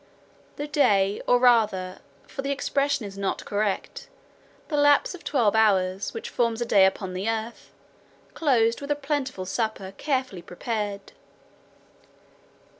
The day, or rather (for the expression is not correct) the lapse of twelve hours, which forms a day upon the earth, closed with a plentiful supper carefully prepared.